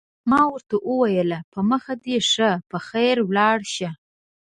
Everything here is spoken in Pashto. ما ورته وویل: په مخه دې ښه، په خیر ولاړ شه.